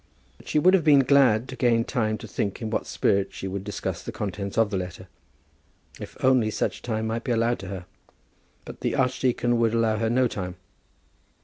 But she would have been glad to gain time to think in what spirit she would discuss the contents of the letter, if only such time might be allowed to her. But the archdeacon would allow her no time.